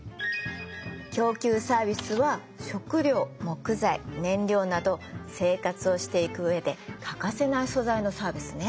供給サービスは食料木材燃料など生活をしていく上で欠かせない素材のサービスね。